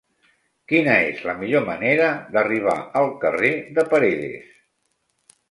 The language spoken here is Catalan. Quina és la millor manera d'arribar al carrer de Paredes?